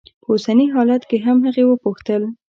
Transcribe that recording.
په اوسني حالت کې هم؟ هغې وپوښتل.